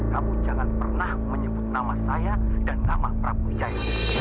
kamu jangan pernah menyebut nama saya dan nama prabu wijaya